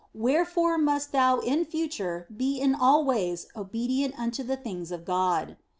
Where fore must thou in future be in all ways obedient unto the things of God."